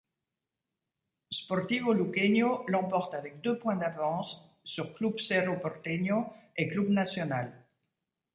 Sportivo Luqueño l’emporte avec deux points d’avance sur Club Cerro Porteño et Club Nacional.